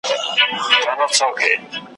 ټول د نورو له عیبونو پړسېدلی `